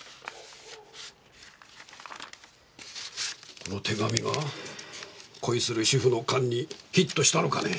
この手紙が恋する主婦の勘にヒットしたのかね？